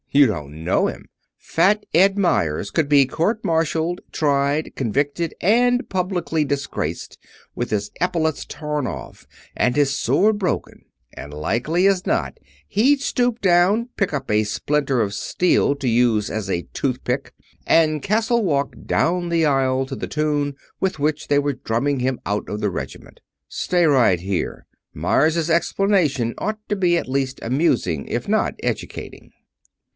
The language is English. You don't know him. Fat Ed Meyers could be courtmartialed, tried, convicted, and publicly disgraced, with his epaulets torn off, and his sword broken, and likely as not he'd stoop down, pick up a splinter of steel to use as a toothpick, and Castlewalk down the aisle to the tune with which they were drumming him out of the regiment. Stay right here. Meyers's explanation ought to be at least amusing, if not educating."